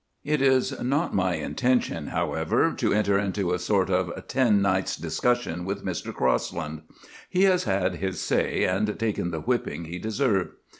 It is not my intention, however, to enter into a sort of ten nights' discussion with Mr. Crosland. He has had his say and taken the whipping he deserved.